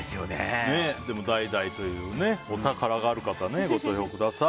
でも代々というお宝がある方ご投票ください。